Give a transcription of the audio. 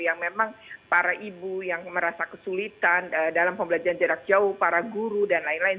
yang memang para ibu yang merasa kesulitan dalam pembelajaran jarak jauh para guru dan lain lain